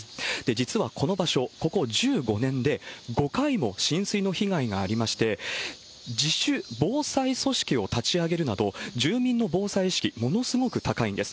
実はこの場所、ここ１５年で５回も浸水の被害がありまして、自主防災組織を立ち上げるなど、住民の防災意識、ものすごく高いんです。